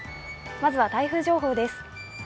まずは台風情報です。